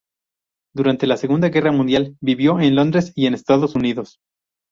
Durante la Segunda Guerra Mundial vivió en Londres y en Estados Unidos.